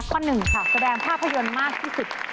ข้อหนึ่งค่ะแสดงภาพยนตร์มากที่สุด